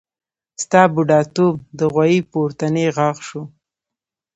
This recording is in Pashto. ستا بډاتوب د غوايي پورتنی غاښ شو.